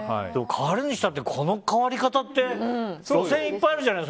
変えるにしたってこの変わり方って路線いっぱいあるじゃない。